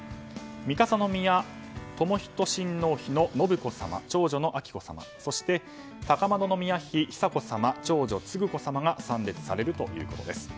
三笠宮寛仁親王妃の信子さま長女の彬子さまそして高円宮妃の久子さま長女・承子さまが参列されるということです。